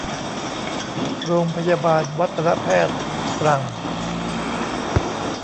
โรงพยาบาลวัฒนแพทย์ ตรัง